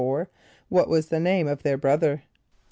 = What was the name of their brother?